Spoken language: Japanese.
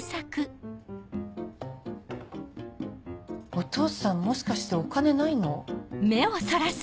お父さんもしかしてお金ないの？